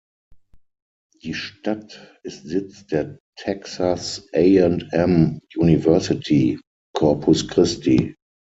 Die Stadt ist Sitz der Texas A&M University–Corpus Christi.